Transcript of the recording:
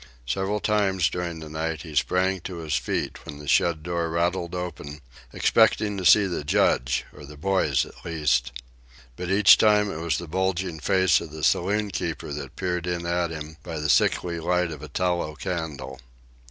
Several times during the night he sprang to his feet when the shed door rattled open, expecting to see the Judge, or the boys at least. But each time it was the bulging face of the saloon keeper that peered in at him by the sickly light of a tallow candle.